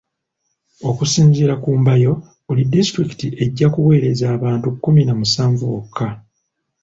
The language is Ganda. Okusinziira ku Mbayo buli disitulikiti ejja kuweereza abantu kumi na musanvu bokka .